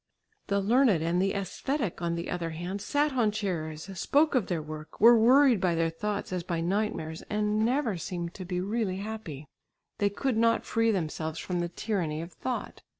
The learned and the æsthetic on the other hand sat on chairs, spoke of their work, were worried by their thoughts as by nightmares and never seemed to be really happy. They could not free themselves from the tyranny of thought.